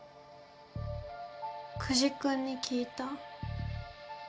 久地君に聞いた。